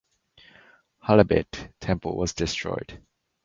Halebid temple was destroyed.